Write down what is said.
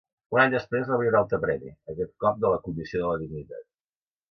Un any després rebria un altre premi, aquest cop de la Comissió de la Dignitat.